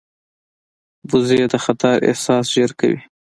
وزې د خطر احساس ژر کوي